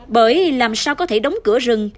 bởi làm sao có thể đóng cửa rừng